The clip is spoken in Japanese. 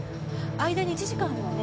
間に１時間あるわね。